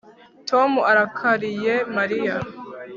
Tom arakariye Mariya